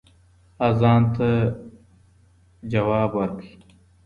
اذان ته ځواب ورکړئ.